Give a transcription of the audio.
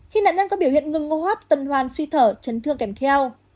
khi nạn nhân có biểu hiện ngừng ngô hóp tần hoan suy thở chấn thương kèm theo